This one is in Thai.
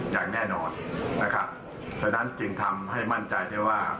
อย่างแน่นอนนะครับฉะนั้นจึงทำให้มั่นใจได้ว่า